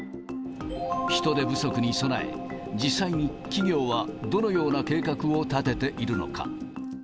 人手不足に備え、実際に企業はどのような計画を立てているのか。